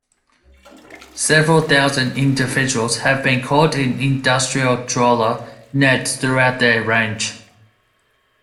Several thousand individuals have been caught in industrial trawler nets throughout their range.